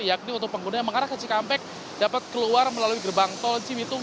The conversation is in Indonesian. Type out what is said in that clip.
yakni untuk pengguna yang mengarah ke cikampek dapat keluar melalui gerbang tol cibitung